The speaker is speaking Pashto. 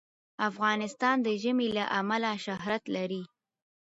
افغانستان د ژمی له امله شهرت لري.